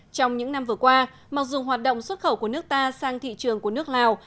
trong những năm vừa qua mặc dù hoạt động xuất khẩu của nước ta sang thị trường của nước lào